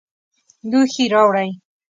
لوښي راوړئ